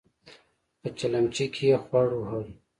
په چلمچي کې يې خوړ وهل.